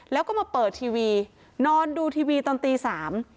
แล้วก็มาเปิดทีวีนอนดูทีวีตอนตีสาม